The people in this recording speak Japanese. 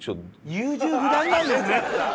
優柔不断なんですね。